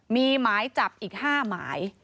มีหมายจับอีก๕หมาย